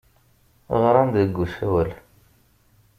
Ɣran-d deg usawal.